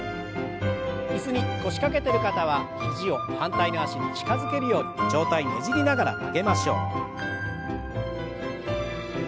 椅子に腰掛けてる方は肘を反対の脚に近づけるように上体ねじりながら曲げましょう。